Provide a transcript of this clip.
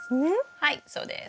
はいそうです。